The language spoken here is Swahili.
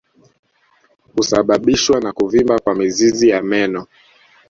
Husababishwa na kuvimba kwa mizizi ya meno